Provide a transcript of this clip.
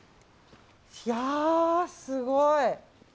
いやー、すごい。